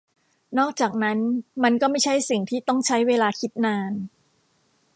นอกจากนั้น มันก็ไม่ใช่สิ่งที่ต้องใช้เวลาคิดนาน